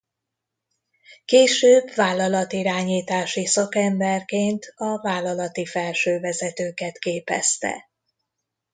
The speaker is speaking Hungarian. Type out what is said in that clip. Később vállalatirányítási szakemberként a vállalati felső vezetőket képezte.